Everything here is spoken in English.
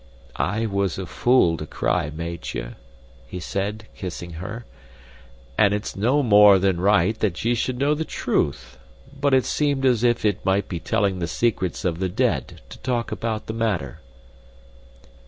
"I was a fool to cry, Meitje," he said, kissing her, "and it's no more than right that ye should know the truth. But it seemed as if it might be telling the secrets of the dead to talk about the matter."